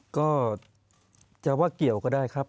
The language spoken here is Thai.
ก็จะว่าเกี่ยวก็ได้ครับ